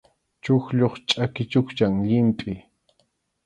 Chuqllup chʼaki chukchan llimpʼi.